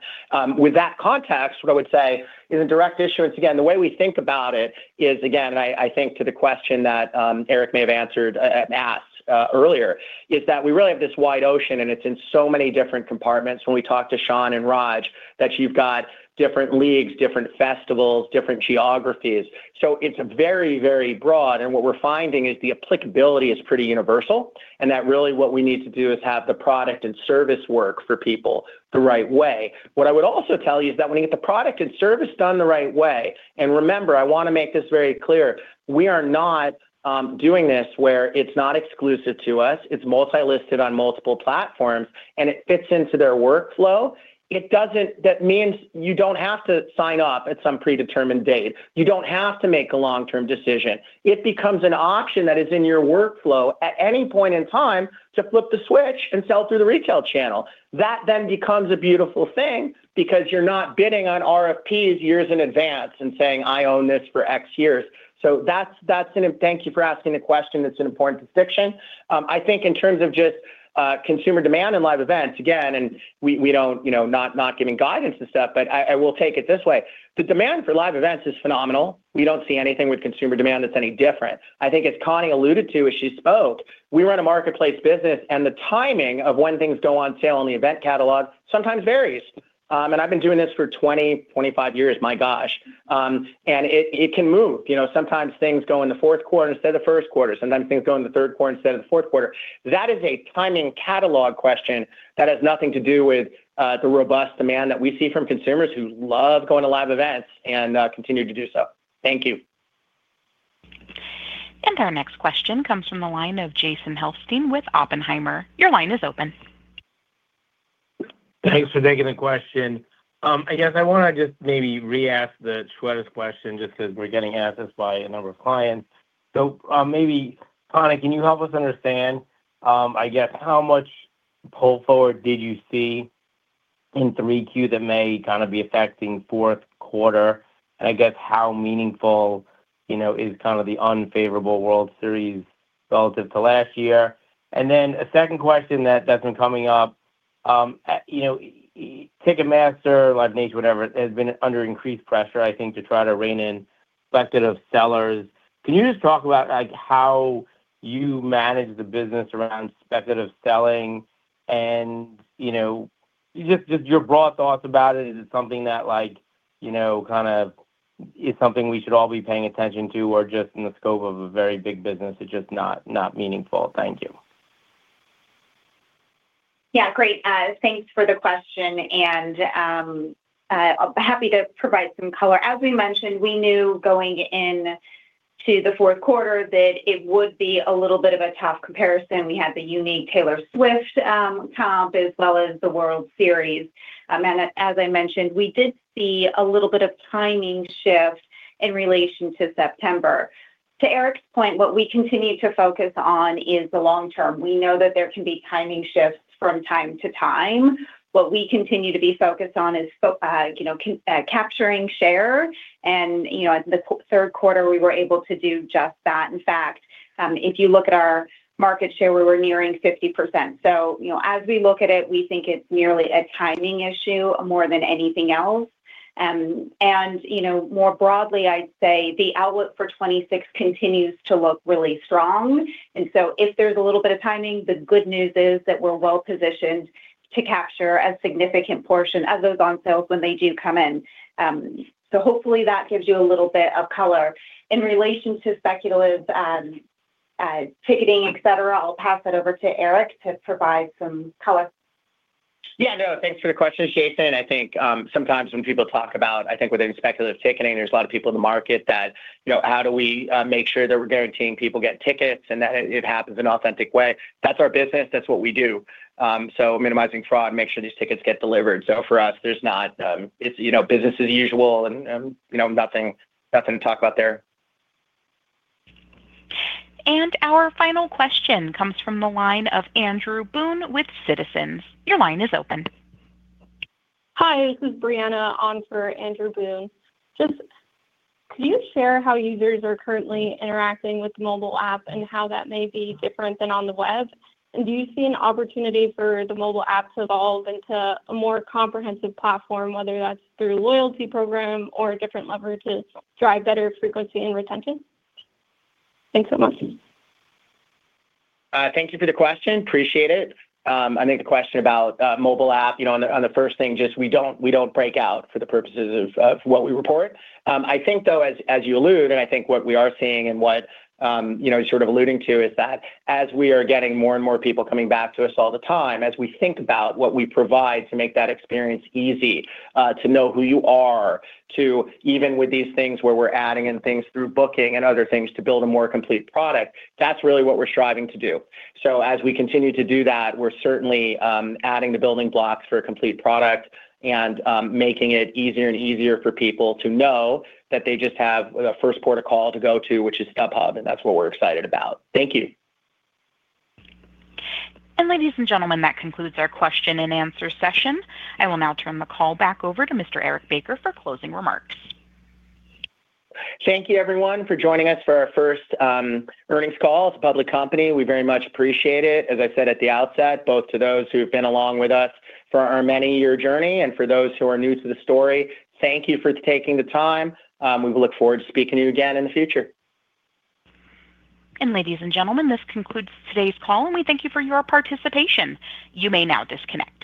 With that context, what I would say is in direct issuance, again, the way we think about it is, again, and I think to the question that Eric may have answered and asked earlier, is that we really have this wide ocean, and it's in so many different compartments. When we talk to Sean and Raj, that you've got different leagues, different festivals, different geographies. It is very, very broad. What we're finding is the applicability is pretty universal. What we need to do is have the product and service work for people the right way. What I would also tell you is that when you get the product and service done the right way, and remember, I want to make this very clear, we are not doing this where it is not exclusive to us. It is multi-listed on multiple platforms, and it fits into their workflow. That means you do not have to sign up at some predetermined date. You do not have to make a long-term decision. It becomes an option that is in your workflow at any point in time to flip the switch and sell through the retail channel. That then becomes a beautiful thing because you are not bidding on RFPs years in advance and saying, "I own this for X years." Thank you for asking the question. It is an important distinction. I think in terms of just consumer demand and live events, again, and we are not giving guidance and stuff, but I will take it this way. The demand for live events is phenomenal. We do not see anything with consumer demand that is any different. I think as Connie alluded to as she spoke, we run a marketplace business, and the timing of when things go on sale on the event catalog sometimes varies. I have been doing this for 20, 25 years, my gosh. It can move. Sometimes things go in the fourth quarter instead of the first quarter. Sometimes things go in the third quarter instead of the fourth quarter. That is a timing catalog question that has nothing to do with the robust demand that we see from consumers who love going to live events and continue to do so. Thank you. Our next question comes from the line of Jason Helfstein with Oppenheimer. Your line is open. Thanks for taking the question. I guess I want to just maybe re-ask Shweta's question just because we're getting asked this by a number of clients. Maybe, Connie, can you help us understand, I guess, how much pull forward did you see in 3Q that may kind of be affecting fourth quarter? I guess how meaningful is kind of the unfavorable World Series relative to last year? A second question that's been coming up, Ticketmaster, Live Nation, whatever, has been under increased pressure, I think, to try to rein in speculative sellers. Can you just talk about how you manage the business around speculative selling and just your broad thoughts about it? Is it something that kind of is something we should all be paying attention to, or just in the scope of a very big business, it's just not meaningful? Thank you. Yeah. Great. Thanks for the question. And happy to provide some color. As we mentioned, we knew going into the fourth quarter that it would be a little bit of a tough comparison. We had the unique Taylor Swift comp as well as the World Series. As I mentioned, we did see a little bit of timing shift in relation to September. To Eric's point, what we continue to focus on is the long term. We know that there can be timing shifts from time to time. What we continue to be focused on is capturing share. In the third quarter, we were able to do just that. In fact, if you look at our market share, we were nearing 50%. As we look at it, we think it's merely a timing issue more than anything else. More broadly, I'd say the outlook for 2026 continues to look really strong. If there's a little bit of timing, the good news is that we're well-positioned to capture a significant portion of those on sales when they do come in. Hopefully that gives you a little bit of color. In relation to speculative ticketing, etc., I'll pass it over to Eric to provide some color. Yeah. No, thanks for the question, Jason. I think sometimes when people talk about, I think within speculative ticketing, there's a lot of people in the market that how do we make sure that we're guaranteeing people get tickets and that it happens in an authentic way? That's our business. That's what we do. Minimizing fraud, make sure these tickets get delivered. For us, there's not business as usual and nothing to talk about there. Our final question comes from the line of Andrew Boone with Citizens. Your line is open. Hi. This is Brianna on for Andrew Boone. Just could you share how users are currently interacting with the mobile app and how that may be different than on the web? Do you see an opportunity for the mobile app to evolve into a more comprehensive platform, whether that's through a loyalty program or a different lever to drive better frequency and retention? Thanks so much. Thank you for the question. Appreciate it. I think the question about mobile app, on the first thing, just we don't break out for the purposes of what we report. I think, though, as you allude, and I think what we are seeing and what you're sort of alluding to is that as we are getting more and more people coming back to us all the time, as we think about what we provide to make that experience easy, to know who you are, to even with these things where we're adding in things through booking and other things to build a more complete product, that's really what we're striving to do. As we continue to do that, we're certainly adding the building blocks for a complete product and making it easier and easier for people to know that they just have the first port of call to go to, which is StubHub, and that's what we're excited about. Thank you. Ladies and gentlemen, that concludes our question and answer session. I will now turn the call back over to Mr. Eric Baker for closing remarks. Thank you, everyone, for joining us for our first earnings call. It is a public company. We very much appreciate it. As I said at the outset, both to those who have been along with us for our many-year journey and for those who are new to the story, thank you for taking the time. We will look forward to speaking to you again in the future. Ladies and gentlemen, this concludes today's call, and we thank you for your participation. You may now disconnect.